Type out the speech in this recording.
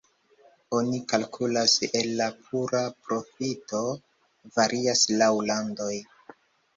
Oni kalkulas el la pura profito, varias laŭ landoj.